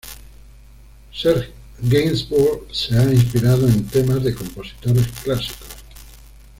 Serge Gainsbourg se ha inspirado en temas de compositores clásicos.